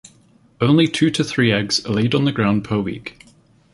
Only two to three eggs are laid on the ground per week.